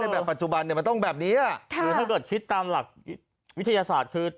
แบบปัจจุบันเนี่ยมันต้องแบบนี้คือถ้าเกิดคิดตามหลักวิทยาศาสตร์คือ